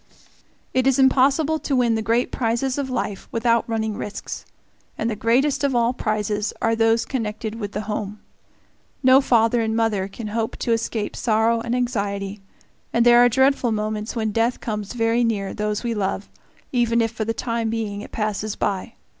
It is impossible to win the great prizes of life without running risks, and the greatest of all prizes are those connected with the home. No father and mother can hope to escape sorrow and anxiety, and there are dreadful moments when death comes very near those we love, even if for the time being it passes by.